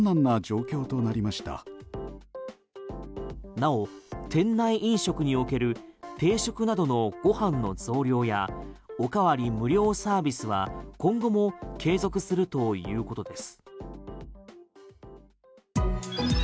なお店内飲食における定食などのご飯の増量やおかわり無料サービスは今後も継続するということです。